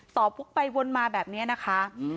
พกไปวนมาแบบนี้นะคะ